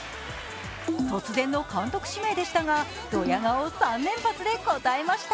突然の監督指名でしたが、どや顔３連発で答えました。